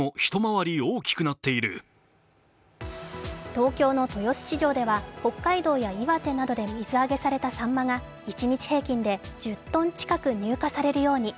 東京の豊洲市場では北海道や岩手などで水揚げされたさんまが一日平均で１０ｔ近く入荷されるように。